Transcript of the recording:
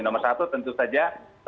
nomor satu tentu saja